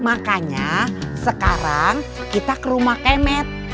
makanya sekarang kita ke rumah kemet